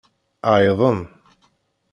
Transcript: Ɛeyḍen.